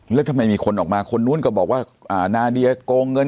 แล้วทำไมมีคนออกมาคนนู้นก็บอกว่านาเดียโกงเงิน